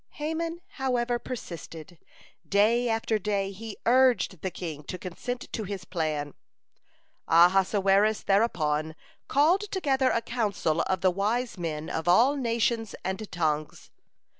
Haman, however, persisted. Day after day he urged the king to consent to his plan. Ahasuerus thereupon called together a council of the wise men of all nations and tongues.